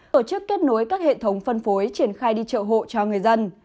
tổ chức kết nối các hệ thống phân phối triển khai đi chợ hộ cho người dân